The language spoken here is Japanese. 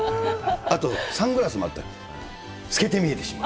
あと、サングラスもあった、透けて見えてしまう。